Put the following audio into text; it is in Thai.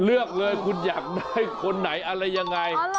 เลือกเลยคุณอยากได้คนไหนอะไรยังไง